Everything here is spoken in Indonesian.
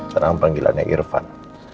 sekarang panggilannya irfan